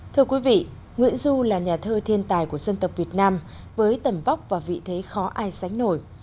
thưa quý vị nguyễn du là nhà thơ thiên tài của dân tộc việt nam với tầm vóc và vị thế khó ai sánh nổi